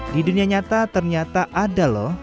di dunia nyata ternyata ada loh